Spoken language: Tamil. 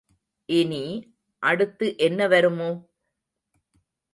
இனி அடுத்து என்ன வருமோ?